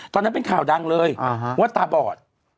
ตอนนั้นเป็นข่าวดังเลยว่าตาบอด